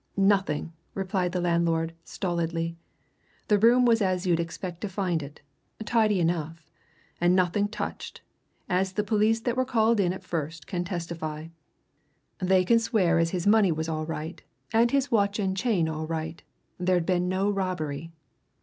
"Nothing!" replied the landlord stolidly. "The room was as you'd expect to find it; tidy enough. And nothing touched as the police that were called in at first can testify. They can swear as his money was all right and his watch and chain all right there'd been no robbery.